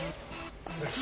よし。